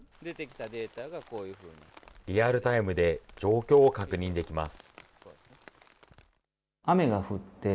リアルタイムで状況を確認できます。